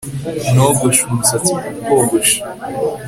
Nogoshe umusatsi ku kogosha